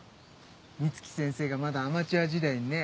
美月先生がまだアマチュア時代にね。